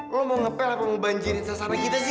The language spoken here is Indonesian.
lo mau ngepel apa mau banjirin sasaran kita sih